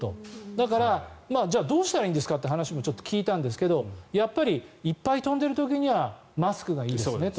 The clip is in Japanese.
だから、じゃあどうしたらいいんですかって話もちょっと聞いたんですけどやっぱりいっぱい飛んでいる時にはマスクがいいそうですと。